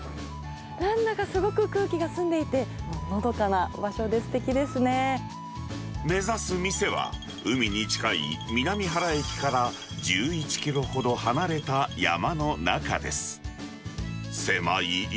なんだかすごく空気が澄んでいて、のどかな場所ですてきです目指す店は、海に近い南三原駅から１１キロほど離れた山の中です。